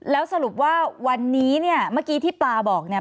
แล้วสรุปว่าวันนี้เนี่ยเมื่อกี้ที่ปลาบอกเนี่ย